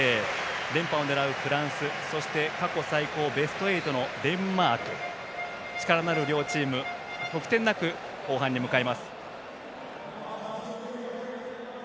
連覇を狙うフランス、そして過去最高ベスト８のデンマーク力のある両チーム得点なく後半に向かいます。